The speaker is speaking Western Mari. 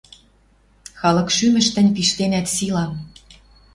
Халык шӱмӹш тӹнь пиштенӓт силам